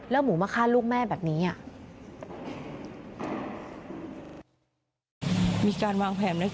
หมูมาฆ่าลูกแม่แบบนี้อ่ะ